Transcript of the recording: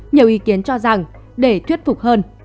nhiều ý kiến cho rằng để thuyết phục hơn